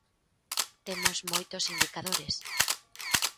Temos moitos indicadores.